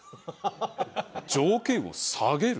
条件を下げる？